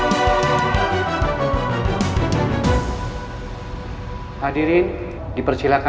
kamu miring pristina